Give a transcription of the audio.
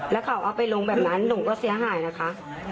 แล้วเขาเอาไปลงแบบนั้นหนูก็เสียหายนะคะ